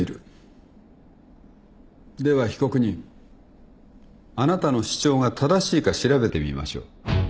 では被告人あなたの主張が正しいか調べてみましょう。